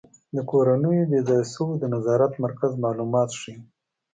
د کورنیو بې ځایه شویو د نظارت مرکز معلومات ښيي.